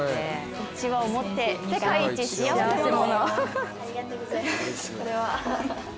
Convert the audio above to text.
うちわを持って世界一幸せ者。